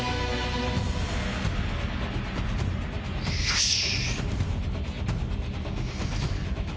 よし！